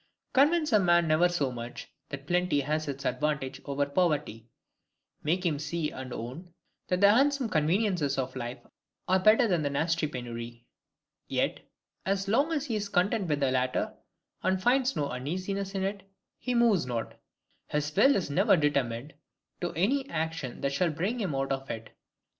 Convince a man never so much, that plenty has its advantages over poverty; make him see and own, that the handsome conveniences of life are better than nasty penury: yet, as long as he is content with the latter, and finds no uneasiness in it, he moves not; his will never is determined to any action that shall bring him out of it.